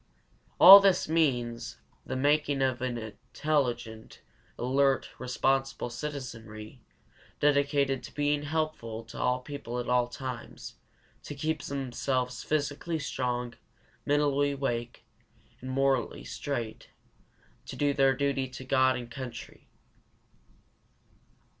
All this means the making of an intelligent, alert, responsible citizenry, dedicated to being helpful to all people at all times, to keep themselves physically strong, mentally awake, morally straight, to do their duty to God and country.